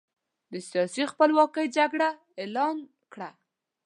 د سیاسي خپلواکۍ جګړه اعلان کړه.